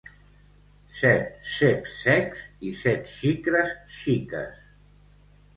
Set ceps cecs i set xicres xiques.